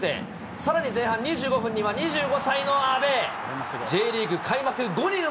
さらに前半２５分には、２５歳の安部。